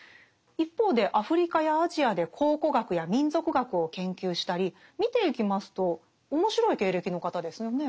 一方でアフリカやアジアで考古学や民俗学を研究したり見ていきますと面白い経歴の方ですよね。